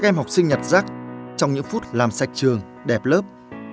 các em học sinh nhặt rác trong những phút làm sạch trường đẹp lớp